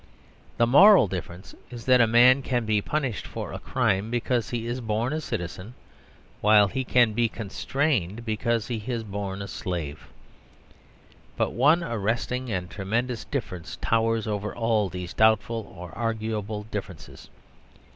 The moral difference is that a man can be punished for a crime because he is born a citizen; while he can be constrained because he is born a slave. But one arresting and tremendous difference towers over all these doubtful or arguable differences.